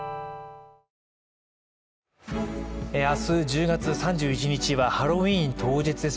明日１０月３１日はハロウィーン当日です。